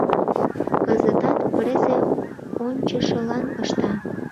— Кызытат презе ончышылан ышта.